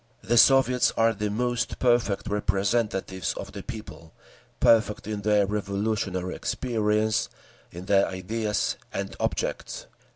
"The Soviets are the most perfect representatives of the people—perfect in their revolutionary experience, in their ideas and objects.